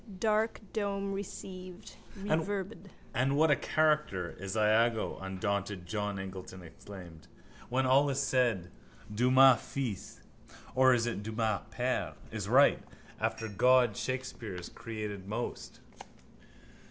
Dark dome received, reverbed. —And what a character is Iago! undaunted John Eglinton exclaimed. When all is said Dumas fils (or is it Dumas père?) is right. After God Shakespeare has created most.